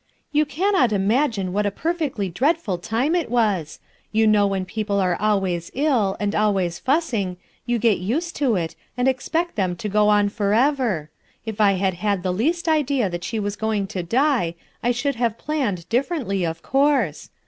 " You cannot imagine what a perfectly dreadful time it was I You know when people are always ill and always fussing, you get used to it, and expect them to go on forever. If I had had the least idea that she was going to die, I should have planned differ ently, of course.